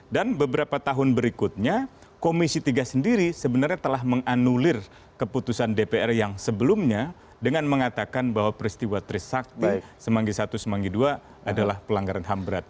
dan beberapa tahun berikutnya komisi tiga sendiri sebenarnya telah menganulir keputusan dpr yang sebelumnya dengan mengatakan bahwa peristiwa trisakti semanggi i dan semanggi ii adalah pelanggaran ham berat